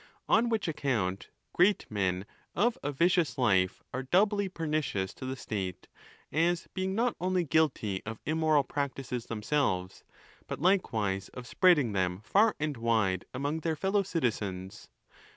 On which account, great men of a vicious life are doubly pernicious to the state, as being not only guilty of im moral practices themselves, but likewise of spreading them» far and wide among their fellow citizens.